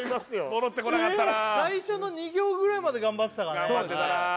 戻ってこなかったな最初の２行ぐらいまで頑張ってたか頑張ってたな